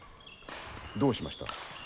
どうしました？